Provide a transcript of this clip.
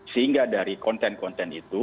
sehingga dari konten konten itu